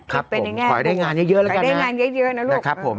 ครับผมขอให้ได้งานเยอะเยอะแล้วกันนะขอให้ได้งานเยอะเยอะนะลูกนะครับผม